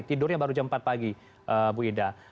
tidurnya baru jam empat pagi bu ida